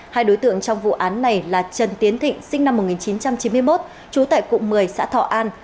hai đối tượng trong vụ án này là trần tiến thịnh sinh năm một nghìn chín trăm chín mươi một trú tại cụng một mươi xã thọ an